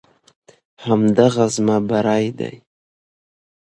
همدغه زما بری دی.